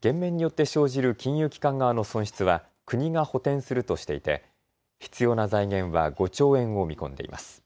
減免によって生じる金融機関側の損失は国が補填するとしていて必要な財源は５兆円を見込んでいます。